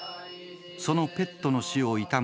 そのペットの死を悼む